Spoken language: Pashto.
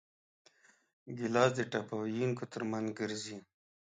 ګیلاس د ټپه ویونکو ترمنځ ګرځي.